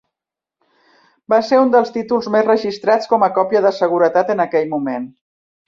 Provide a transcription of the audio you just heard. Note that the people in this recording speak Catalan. Va ser un dels títols més registrats com a còpia de seguretat en aquell moment.